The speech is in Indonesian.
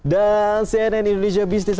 dan cnn indonesia business